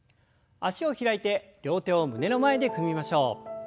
脚を開いて両手を胸の前で組みましょう。